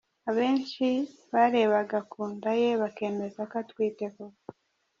Abenshi barebaga ku nda ye bakemeza ko atwite koko.